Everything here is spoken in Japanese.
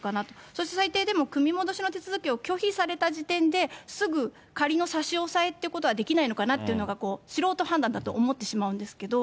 そして最低でも組み戻しの手続きを拒否された時点で、すぐ仮の差し押さえというのができないのかなっていうのかなっていうのが、素人判断だと思ってしまうんですけど。